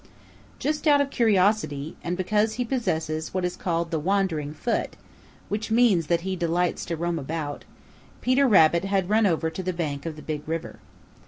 Just out of curiosity, and because he possesses what is called the wandering foot, which means that he delights to roam about, Peter Rabbit had run over to the bank of the Big River.